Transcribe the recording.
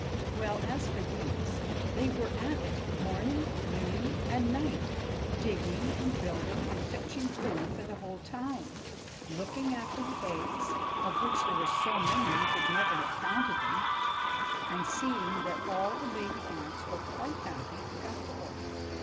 Well, as for these, they were at it morning, noon, and night, digging and building and fetching food for the whole town, looking after the eggs—of which there were so many you could never have counted them—and seeing that all the baby ants were quite happy and comfortable.